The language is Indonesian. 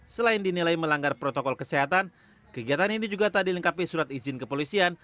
selain dinilai melanggar protokol kesehatan kegiatan ini juga tak dilengkapi surat izin kepolisian